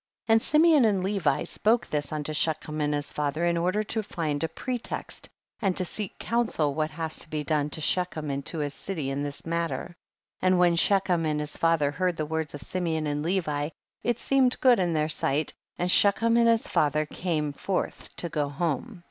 32. And Simeon and Levi spoke this unto Shechem and his father in order to find a pretext, and to seek counsel what was to be done to She chem and to his city in this matter. 33. And when Shechem and his father heard the words of Simeon and Levi, it seemed good in their sight, aud Shechem and his father came forth to go home.